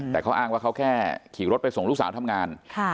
แต่เขาอ้างว่าเขาแค่ขี่รถไปส่งลูกสาวทำงาน